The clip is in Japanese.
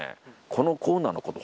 このコーナーのこと